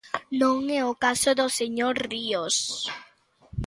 Non é o caso do señor Ríos.